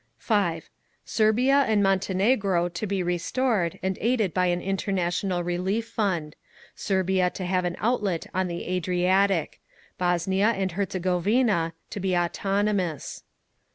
(5) Serbia and Montenegro to be restored, and aided by an international relief fund. Serbia to have an outlet on the Adriatic. Bosnia and Herzegovina to be autonomous.